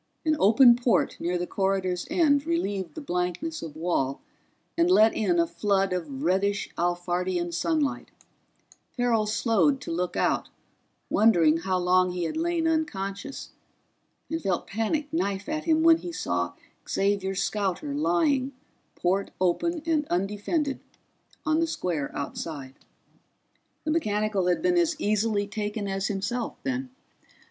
An open port near the corridor's end relieved the blankness of wall and let in a flood of reddish Alphardian sunlight; Farrell slowed to look out, wondering how long he had lain unconscious, and felt panic knife at him when he saw Xavier's scouter lying, port open and undefended, on the square outside. The mechanical had been as easily taken as himself, then.